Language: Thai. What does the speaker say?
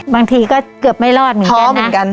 บางทีก็เกือบไม่รอดเหมือนกันนะ